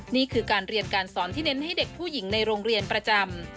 นี่คือการเรียนการสอนที่เน้นให้เด็กผู้หญิงในโรงเรียนประจำ